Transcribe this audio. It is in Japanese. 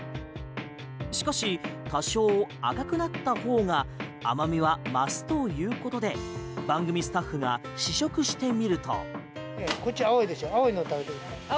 しかし多少赤くなった方が甘みは増すということで番組スタッフが試食してみると。